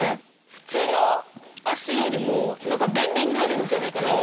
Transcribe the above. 普通の足よりも何か便利になるんじゃないかなと。